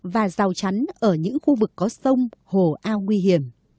và rào chắn ở những khu vực có sông hồ ao nguy hiểm